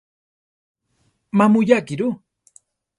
Má muyaa akí ru.